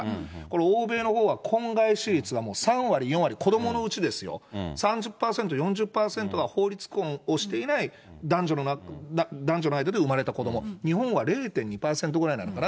欧米のほうは婚外子率がもう３割、４割、子どものうちですよ、３０％、４０％は法律婚をしていない男女の間で生まれた子ども、日本は０．２％ぐらいなのかな。